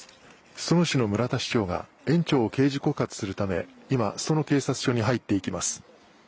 裾野市の村田市長が園長を掲示告発するため、今裾野警察署に入っていきます。